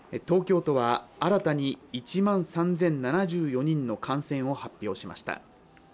東京都は新たに１万３０７４人の感染を発表しました。